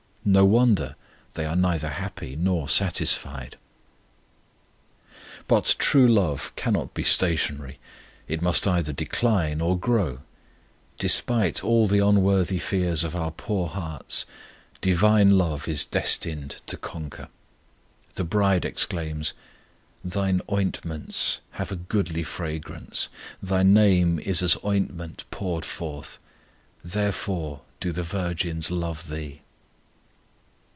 No wonder they are neither happy nor satisfied! But true love cannot be stationary; it must either decline or grow. Despite all the unworthy fears of our poor hearts, Divine love is destined to conquer. The bride exclaims: Thine ointments have a goodly fragrance; Thy name is as ointment poured forth; Therefore do the virgins love Thee.